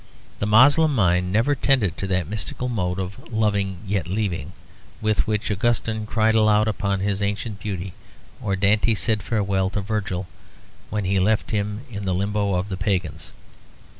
The Moslem mind never tended to that mystical mode of "loving yet leaving" with which Augustine cried aloud upon the ancient beauty, or Dante said farewell to Virgil when he left him in the limbo of the pagans.